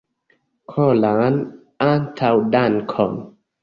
Koran antaŭdankon!